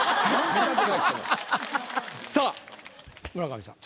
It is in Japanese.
さあ村上さん。